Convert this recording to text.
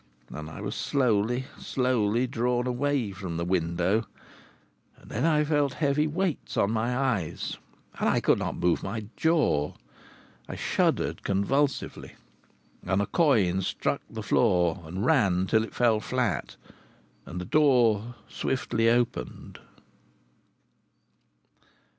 And I was slowly, slowly drawn away from the window.... And then I felt heavy weights on my eyes, and I could not move my jaw. I shuddered convulsively, and a coin struck the floor and ran till it fell flat. And the door swiftly opened....